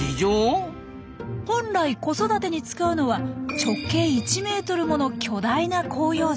本来子育てに使うのは直径１ｍもの巨大な広葉樹。